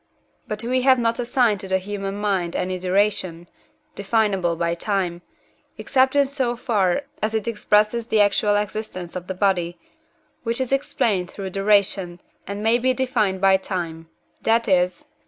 But we have not assigned to the human mind any duration, definable by time, except in so far as it expresses the actual existence of the body, which is explained through duration, and may be defined by time that is (II.